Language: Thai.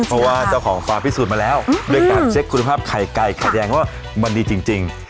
เพราะว่าเจ้าของฟาร์มพิสูจน์มาแล้วด้วยการเช็คคุณภาพไข่ไก่ไข่แดงว่ามันดีจริง